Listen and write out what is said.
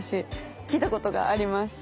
来たことがあります。